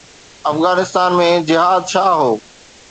افغانستان ۾ جهاد ڇا هو؟